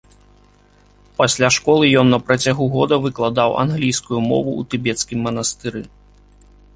Пасля школы ён на працягу года выкладаў англійскую мову ў тыбецкім манастыры.